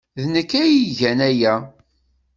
D nekk ay igan aya.